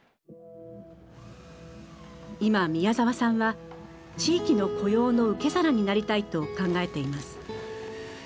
今宮澤さんは地域の雇用の受け皿になりたいと考えています。